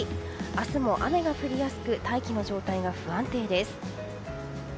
明日も雨が降りやすく大気の状態が不安定です。